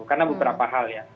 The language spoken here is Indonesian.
karena beberapa hal ya